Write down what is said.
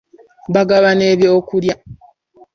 Baagaba n'ebyokulya.